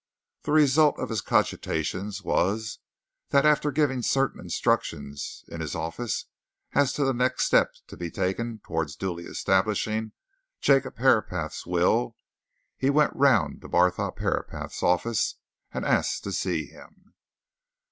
The result of his cogitations was that after giving certain instructions in his office as to the next steps to be taken towards duly establishing Jacob Herapath's will, he went round to Barthorpe Herapath's office and asked to see him.